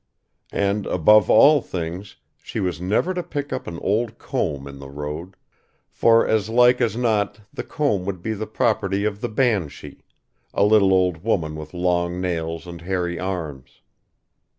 And, above all things, she was never to pick up an old comb in the road, for as like as not the comb would be the property of the banshee, a little old woman with long nails and hairy arms.